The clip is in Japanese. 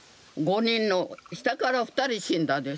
下から２人死んだです。